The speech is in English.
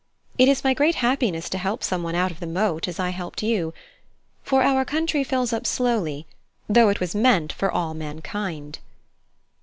It is my great happiness to help someone out of the moat, as I helped you. For our country fills up slowly, though it was meant for all mankind."